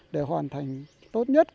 để hoàn thành tốt nhất